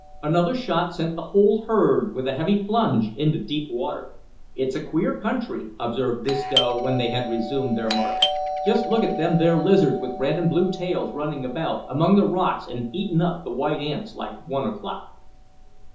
Another shot sent the whole herd with a heavy plunge into deep water. "It's a queer country," observed Disco when they had resumed their march. "Just look at them there lizards with red and blue tails running about among the rocks an' eatin' up the white ants like one o'clock."